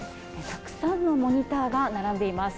たくさんのモニターが並んでいます。